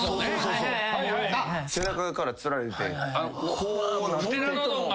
背中からつられてこうなって。